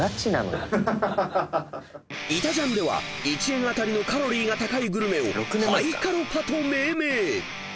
［『いたジャン』では１円当たりのカロリーが高いグルメをハイカロパと命名］